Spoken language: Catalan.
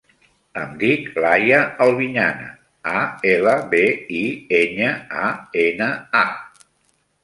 Em dic Laia Albiñana: a, ela, be, i, enya, a, ena, a.